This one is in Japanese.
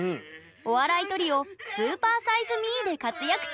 お笑いトリオスーパーサイズ・ミーで活躍中！